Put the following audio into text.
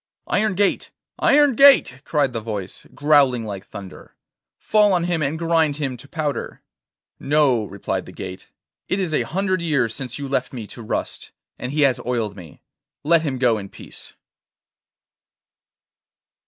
'Iron gate, iron gate,' cried the voice, growling like thunder, 'fall on him and grind him to powder.' 'No,' replied the gate; 'it is a hundred years since you left me to rust, and he has oiled me. Let him go in peace.